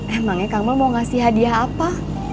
emangnya kamu mau ngasih hadiah apa